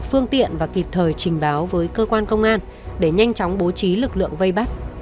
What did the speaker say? phương tiện và kịp thời trình báo với cơ quan công an để nhanh chóng bố trí lực lượng vây bắt